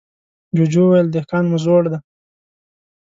جوجو وويل: دهقان مو زوړ دی.